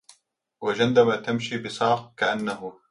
وجندبة تمشي بساق كأنه